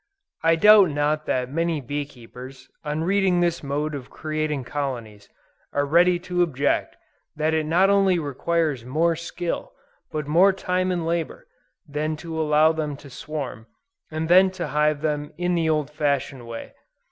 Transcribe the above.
I doubt not that many bee keepers, on reading this mode of creating colonies, are ready to object that it not only requires more skill, but more time and labor, than to allow them to swarm, and then to hive them in the old fashioned way.